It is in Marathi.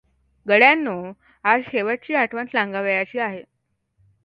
"गड्यांनो! आज शेवटची आठवण सांगावयाची आहे.